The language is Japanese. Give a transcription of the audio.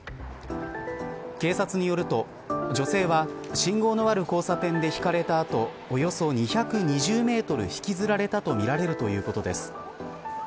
警察によると女性は、信号のある交差点でひかれた後およそ２２０メートル引きずられたとみられるということです。